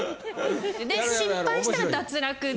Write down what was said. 失敗したら脱落で。